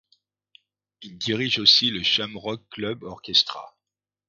Il dirigea aussi le Shamrock Club Orchestra.